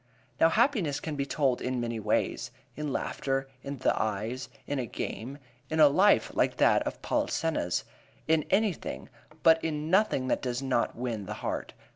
Now happiness can be told in many ways: in laughter, in the eyes, in a game, in a life like that of Polissena's, in anything, but in nothing that does not win the heart.